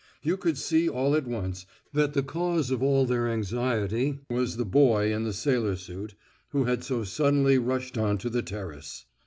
You could see at one that the cause of all their anxiety was the boy in the sailor suit, who had so suddenly rushed on to the terrace.